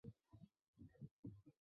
特色产品裕民泡菜。